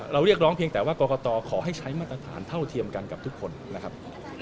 เรียกร้องเพียงแต่ว่ากรกตขอให้ใช้มาตรฐานเท่าเทียมกันกับทุกคนนะครับ